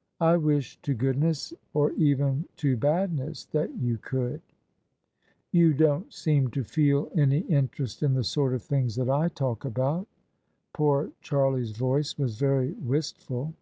" I wish to goodness— or even to badness — that you could!" " You don't seem to feel any interest in the sort of things that I talk about" Poor Charlie's voice was very wistful.